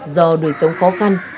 do đời sống khó khăn